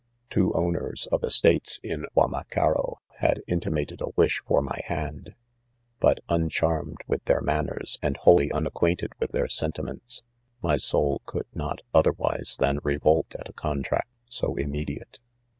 4 Two owners of estates in Guamacaro had intimated a wish for my hand ;but uncharmed with their manners and wholly unacquainted with their sentiments, my soul could not oth erwise than revolt at a contract so immediate.